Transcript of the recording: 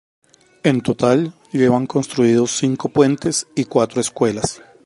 En total llevan construidos cinco puentes y cuatro escuelas.